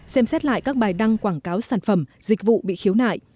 xem xét lại các bài đăng quảng cáo sản phẩm dịch vụ bị khiếu nại